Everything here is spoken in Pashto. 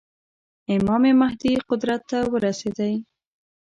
امام مهدي قدرت ته ورسېدی.